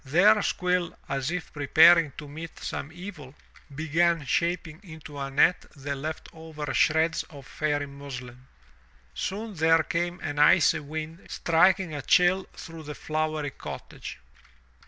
There Squill, as if preparing to meet some evil, began shaping into a net the left over shreds of Fairy muslin. Soon there came an icy wind striking a chill through the flowery cottage.